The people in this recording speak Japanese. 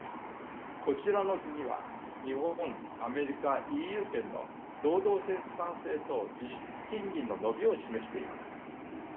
こちらの図には日本アメリカＥＵ圏の労働生産性と実質賃金の伸びを示しています。